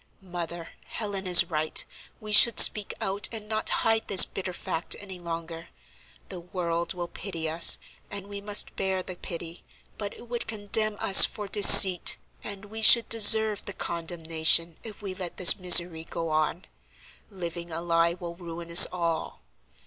"Mother, Helen is right; we should speak out, and not hide this bitter fact any longer. The world will pity us, and we must bear the pity, but it would condemn us for deceit, and we should deserve the condemnation if we let this misery go on. Living a lie will ruin us all.